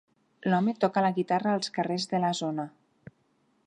L'home toca la guitarra als carrers de la zona.